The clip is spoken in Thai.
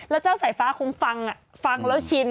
แล้วเจ้าสายฟ้าคงฟังฟังแล้วชิน